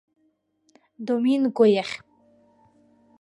Доминго иахь.